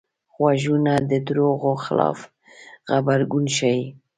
غوږونه د دروغو خلاف غبرګون ښيي